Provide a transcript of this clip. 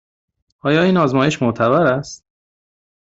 آیا این آزمایش معتبر است؟